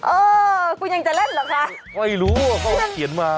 เออคุณยังจะเล่นเหรอคะไม่รู้ว่าเขาเขียนมา